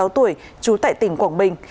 hai mươi sáu tuổi trú tại tỉnh quảng bình